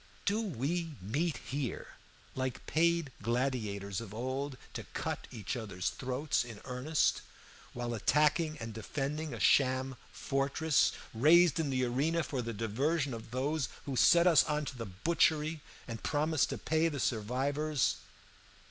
Do we meet here, like paid gladiators of old, to cut each other's throats in earnest while attacking and defending a sham fortress, raised in the arena for the diversion of those who set us on to the butchery and promise to pay the survivors?